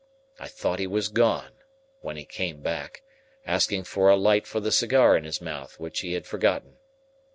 I thought he was gone, when he came back, calling for a light for the cigar in his mouth, which he had forgotten.